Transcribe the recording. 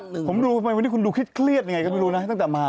ทำไมวันนี้คุณดูคิดเครียดง่ายก็ไม่รู้นะตั้งแต่มา